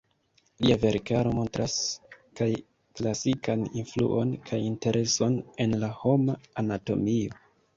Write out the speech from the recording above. Lia verkaro montras kaj klasikan influon kaj intereson en la homa anatomio.